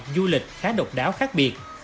du lịch khá độc đáo khác biệt